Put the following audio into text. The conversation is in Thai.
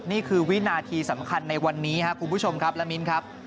นี่คือวินาทีสำคัญในวันนี้ครับคุณผู้ชมครับและมิ้นครับ